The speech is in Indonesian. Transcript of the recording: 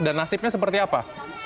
dan nasibnya seperti apa